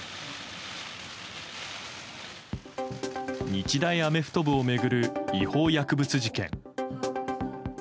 日大アメフト部を巡る違法薬物事件。